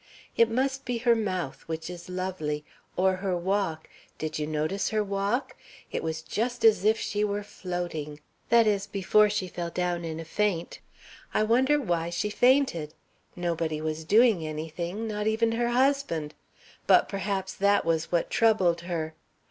It must be her mouth, which is lovely, or her walk did you notice her walk? It was just as if she were floating; that is, before she fell down in that faint. I wonder why she fainted. Nobody was doing anything, not even her husband. But perhaps that was what troubled her.